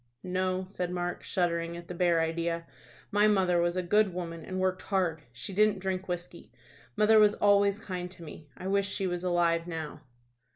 "No," said Mark, shuddering at the bare idea. "My mother was a good woman, and worked hard. She didn't drink whiskey. Mother was always kind to me. I wish she was alive now."